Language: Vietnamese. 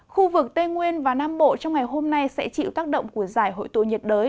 khu vực tây nguyên và nam bộ trong ngày hôm nay sẽ chịu tác động của giải hội tụ nhiệt đới